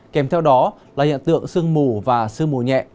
kèm theo đó là hiện tượng sương mù và sương mù nhẹ